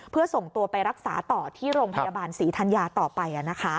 เพื่อส่งตัวไปรักษาต่อที่โรงพยาบาลศรีธัญญาต่อไป